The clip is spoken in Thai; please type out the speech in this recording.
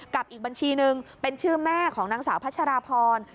กับอีกบัญชีนึงเป็นชื่อแม่ของนางสาวพัชราพร